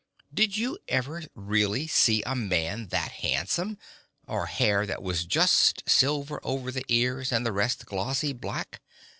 Did you ever really see a man that handsome, or hair that was just silver over the ears and the rest glossy black?